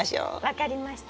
分かりました。